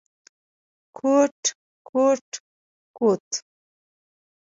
کوټ کوټ کوت…